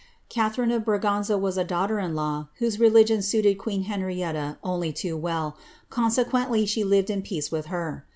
Catharine of Braganza was a daughter in law whose religion soitei queen Henrietta only too well, consequently she lived in peace with ber.